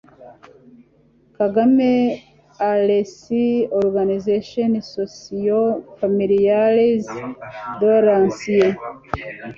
KAGAME A Les organisations socio familiales de l ancien